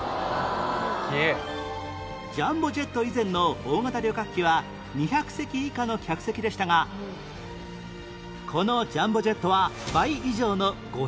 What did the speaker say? ジャンボジェット以前の大型旅客機は２００席以下の客席でしたがこのジャンボジェットは倍以上の５００席超え